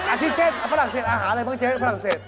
ที่เช่นฝรั่งเศสอาหารอะไรบ้างเจ๊ฝรั่งเศส